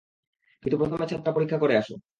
কিন্তু প্রথমে ছাদটা পরীক্ষা করে আস।